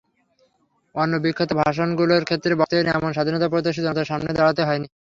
অন্য বিখ্যাত ভাষণগুলোর ক্ষেত্রে বক্তাদের এমন স্বাধীনতাপ্রত্যাশী জনতার সামনে দাঁড়াতে হয়নি।